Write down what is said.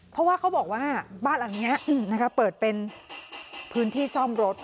เพราะว่าเขาบอกว่าบ้านหลังนี้เปิดเป็นพื้นที่ซ่อมรถ